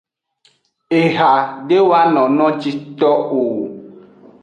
Eha de wano nojito o.